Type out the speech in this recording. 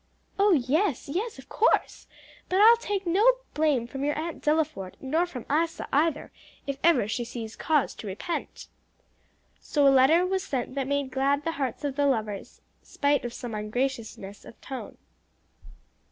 "Oh yes, yes, of course! But I'll take no blame from your Aunt Delaford; nor from Isa either, if ever she sees cause to repent." So a letter was sent that made glad the hearts of the lovers, spite of some ungraciousness of tone.